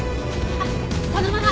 あっそのまま。